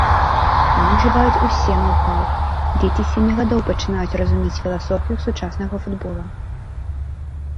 Там ужываюць усе ноў-хаў, дзеці з сямі гадоў пачынаюць разумець філасофію сучаснага футбола.